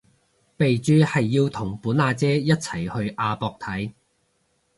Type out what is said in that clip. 備註係要同本阿姐一齊去亞博睇